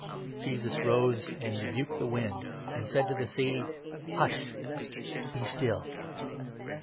" Jesus rose and rebuked the wind, and said to the sea : 39 "Hush! Be still